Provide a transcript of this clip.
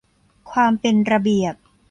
ความเป็นระเบียบ